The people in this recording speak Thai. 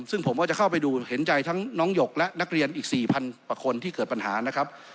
ซึ่งผมก็จะเข้าไปดูเห็นใจทั้งน้องหยกและนักเรียนอีก๔๐๐กว่าคนที่เกิดปัญหานะครับ